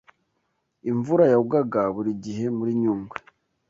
Imvura yagwaga buri gihe muri nyungwe